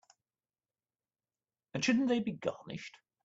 And shouldn't they be garnished?